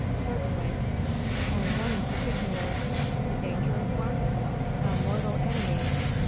"Certainly." "And one in particular." "A dangerous one?" "A mortal enemy.